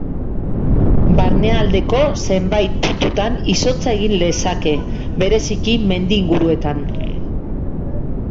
Barnealdeko zenbait puntutan izotza egin lezake, bereziki mendi inguruetan.